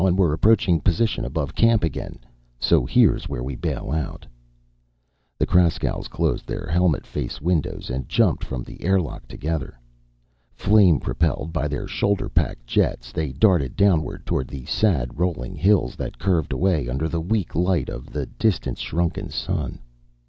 And we're approaching position above camp again. So here's where we bail out." The Kraskow's closed their helmet face windows and jumped from the airlock together. Flame propelled by their shoulder pack jets, they darted downward toward the sad, rolling hills that curved away under the weak light of the distance shrunken sun.